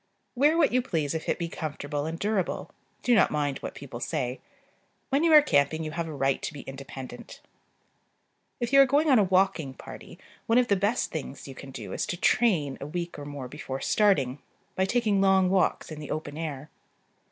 Wear what you please if it be comfortable and durable: do not mind what people say. When you are camping you have a right to be independent. If you are going on a walking party, one of the best things you can do is to "train" a week or more before starting, by taking long walks in the open air.